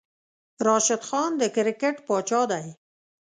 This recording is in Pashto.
راشد خان د کرکیټ پاچاه دی